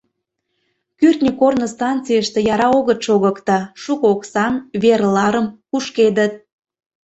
Кӱртньӧ корно станцийыште яра огыт шогыкто, шуко оксам, вер ларым, кушкедыт.